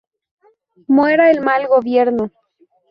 Muera el mal gobierno".